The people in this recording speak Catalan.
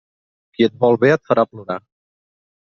Qui et vol bé et farà plorar.